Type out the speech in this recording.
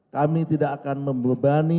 kami tidak akan membebani